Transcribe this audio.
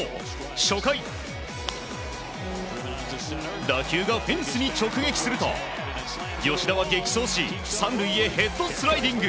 初回打球がフェンスに直撃すると吉田は激走し、３塁へヘッドスライディング。